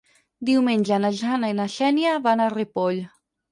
Diumenge na Jana i na Xènia van a Ripoll.